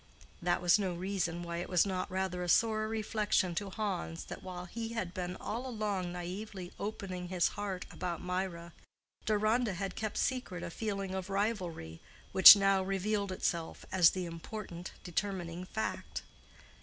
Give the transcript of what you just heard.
That was no reason why it was not rather a sore reflection to Hans that while he had been all along naively opening his heart about Mirah, Deronda had kept secret a feeling of rivalry which now revealed itself as the important determining fact.